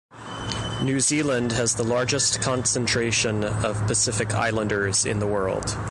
New Zealand has the largest concentration of Pacific Islanders in the world.